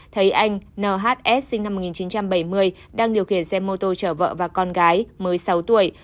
thấy anh nhs sinh năm một nghìn chín trăm bảy mươi đang điều khiển xe mô tô chở vợ và con gái mới sáu tuổi